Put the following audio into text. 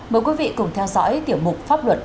mời quý vị cùng theo dõi tiểu mục pháp luật